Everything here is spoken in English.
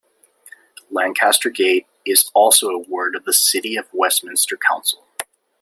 Lancaster Gate is also a ward of the City of Westminster Council.